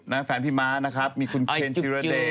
นะฮะแฟนพี่ม้านะครับมีคุณเคนโชเบรดด้วย